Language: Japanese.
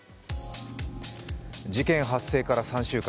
事件発生から３週間。